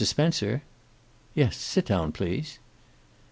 Spencer?" "Yes. Sit down, please."